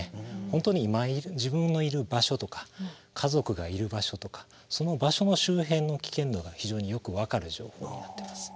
本当に今自分のいる場所とか家族がいる場所とかその場所の周辺の危険度が非常によく分かる情報になっています。